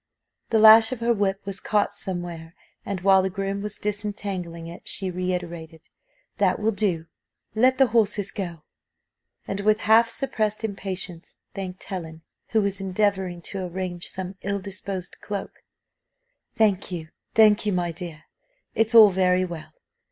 The lash of her whip was caught somewhere, and, while the groom was disentangling it, she reiterated "That will do: let the horses go:" and with half suppressed impatience thanked Helen, who was endeavouring to arrange some ill disposed cloak "Thank you, thank you, my dear: it's all very well.